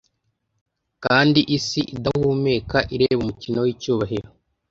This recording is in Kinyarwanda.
Kandi isi, idahumeka, ireba umukino wicyubahiro--